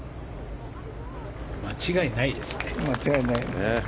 間違いないですね。